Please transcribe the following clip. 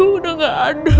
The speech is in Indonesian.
udah nggak ada